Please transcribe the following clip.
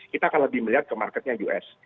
kita akan lebih melihat ke marketnya us